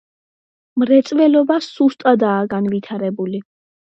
მრეწველობა სუსტადაა განვითარებული.